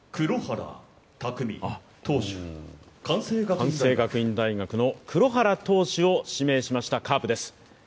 関西学院大学の黒原投手を指名しました、カープです。